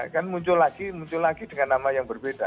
kan muncul lagi dengan nama yang berbeda